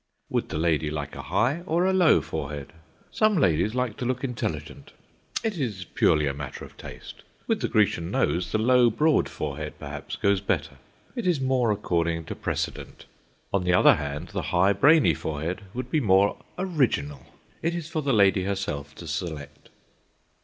Would the lady like a high or a low forehead? Some ladies like to look intelligent. It is purely a matter of taste. With the Grecian nose, the low broad forehead perhaps goes better. It is more according to precedent. On the other hand, the high brainy forehead would be more original. It is for the lady herself to select.